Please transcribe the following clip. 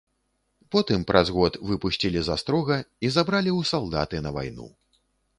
Потым праз год выпусцілі з астрога і забралі ў салдаты на вайну.